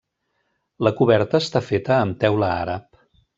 La coberta està feta amb teula àrab.